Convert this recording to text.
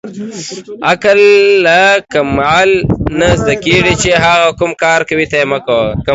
عقل له قمعل نه زدکیږی چی هغه کوم کار کوی ته یی مه کوه